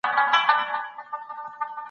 دا جرګه به د روغتيايي ستونزو د حل لاري ولټوي.